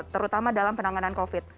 terutama dalam penanganan covid